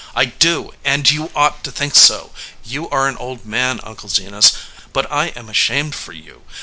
"I do, and you ought to think so. You are an old man, Uncle Zenas, but I am ashamed for you.